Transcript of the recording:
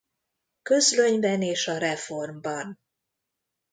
Közlönyben és a Reformban.